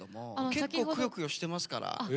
結構、くよくよしてますから。